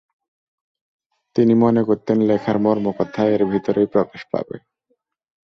তিনি মনে করতেন লেখার মর্মকথা এর ভেতরেই প্রকাশ পাবে।